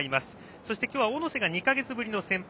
そして今日は小野瀬が２か月ぶりの先発。